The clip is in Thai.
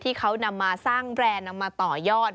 ที่เขานำมาสร้างแบรนด์นำมาต่อยอด